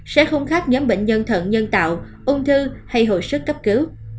sẽ không khác nhóm bệnh nhân thận nhân tạo ung thư hay hồi sức cấp cứu